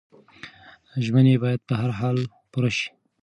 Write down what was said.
ژمنې باید په هر حال پوره شي.